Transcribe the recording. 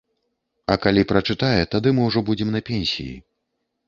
А калі прачытае, тады мы ўжо будзем на пенсіі.